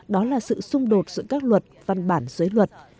đó là sự xung đột giữa các luật văn bản giới luật